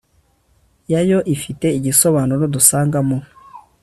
yayo ifite igisobanuro dusanga mu